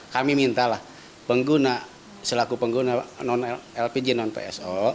kami minta lah pengguna selaku pengguna lpg non pso